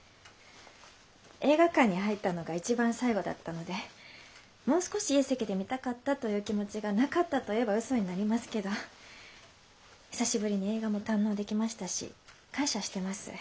映画館に入ったのが一番最後だったのでもう少しいい席で見たかったという気持ちがなかったと言えばうそになりますけど久しぶりに映画も堪能できましたし感謝してます。